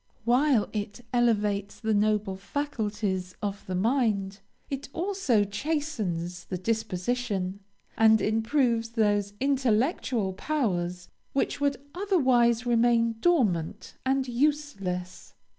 While it elevates the noble faculties of the mind, it also chastens the disposition, and improves those intellectual powers which would otherwise remain dormant and useless.